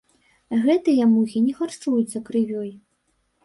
Гэтыя мухі не харчуюцца крывёй.